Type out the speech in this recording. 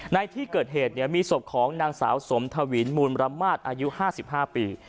ในที่เกิดเหตุเนี่ยมีศพของนางสาวสมทวินมูลมระมาทอายุห้าสิบห้าปี